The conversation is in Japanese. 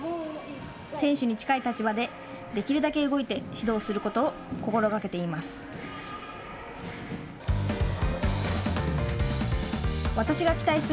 選手に近い立場でできるだけ動いて指導することを心がけています。